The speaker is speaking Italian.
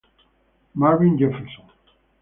Marvin Jefferson